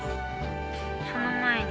その前に。